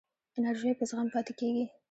انرژی په زغم پاتې کېږي.